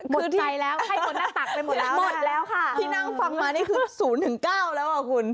หมดใจแล้วให้คนหน้าตักไปหมดแล้วหมดแล้วค่ะที่นั่งฟังมานี่คือศูนย์ถึงเก้าแล้วหรอคุณ